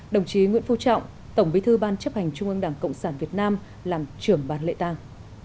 đồng chí nguyễn phu trọng tổng bí thư ban chấp hành trung ương đảng cộng sản việt nam làm trưởng ban lệ tàng